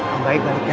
ambaik balik ya